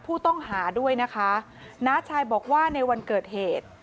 ผู้ต้องหาด้วยนะคะน้าชายบอกว่าในวันเกิดเหตุ